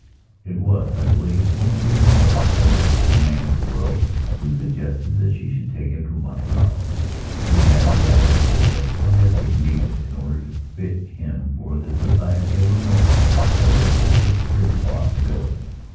It was, I believe, one of Leonora's priestsa man of the worldwho suggested that she should take him to Monte Carlo. He had the idea that what Edward needed, in order to fit him for the society of Leonora, was a touch of irresponsibility.